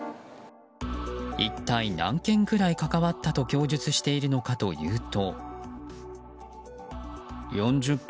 一体何件くらい関わったと供述しているのかというと。